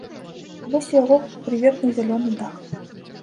Вось і яго прыветны зялёны дах.